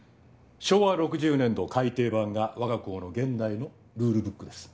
昭和６０年度改訂版が我が校の現在のルールブックです。